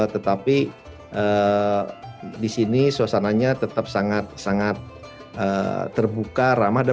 tetapi di sini suasananya tetap sangat terbuka ramah